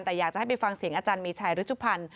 แต่อยากจะให้ไปฟังเสียงอาจารย์มีชัยรุชุพันธ์